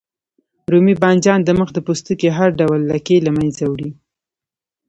رومي بانجان د مخ د پوستکي هر ډول لکې له منځه وړي.